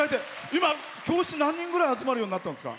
今、教室何人ぐらい集まるようになったんですか？